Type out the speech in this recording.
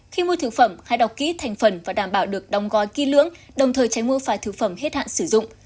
khi mua thực phẩm hãy đọc kỹ thành phần và đảm bảo được đóng gói kỹ lưỡng đồng thời tránh mua phải thực phẩm hết hạn sử dụng